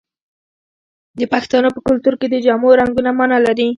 د پښتنو په کلتور کې د جامو رنګونه مانا لري.